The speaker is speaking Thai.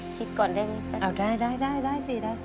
คิดก่อนได้ไหมคะเอ้าได้